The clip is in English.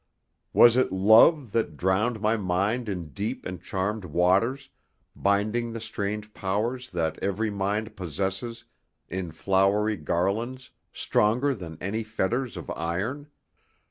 Was it love that drowned my mind in deep and charmed waters, binding the strange powers that every mind possesses in flowery garlands stronger than any fetters of iron?